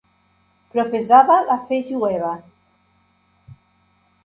Professava la fe jueva.